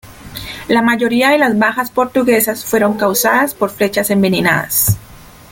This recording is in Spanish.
La mayoría de las bajas portuguesas fueron causadas por flechas envenenadas.